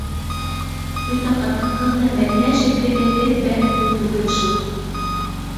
Бөтә ҡатын-ҡыҙ ҙа Мәҙинә шикелле эт бәхетле түгел шул!..